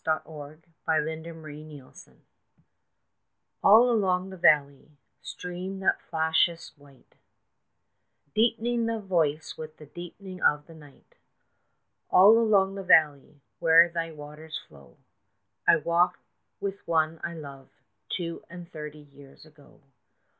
IN THE VALLEY OF CAUTERETZ All along the valley, stream that flashest white, Deepening thy voice with the deepening of the night, All along the valley, where thy waters flow, I walked with one I loved two and thirty years ago.